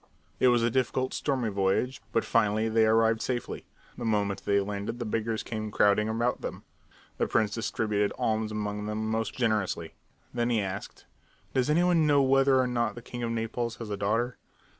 It was a difficult, stormy voyage, but finally they arrived safely. The moment they landed the beggars came crowding about them. The prince distributed alms among them most generously. Then he asked: "Does any one know whether or not the king of Naples has a daughter?"